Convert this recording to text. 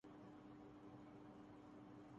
ہماری زندگی میں آسانیاں پیدا ہو گئی ہیں۔